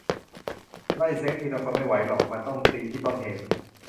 "ไล่เซฟทีละคนไม่ไหวหรอก มันต้องตีที่ต้นเหตุ"